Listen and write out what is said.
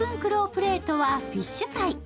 プレートはフィッシュパイ。